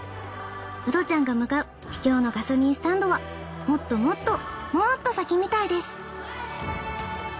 ウドちゃんが向かう秘境のガソリンスタンドはもっともっともっと先みたいです。